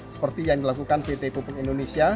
seperti yang dilakukan pt pupuk indonesia